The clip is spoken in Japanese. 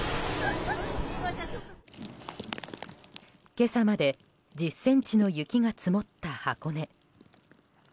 今朝まで１０ｃｍの雪が積もった箱根。